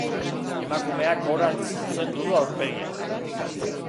Emakumeak gorantz zuzendu du aurpegia.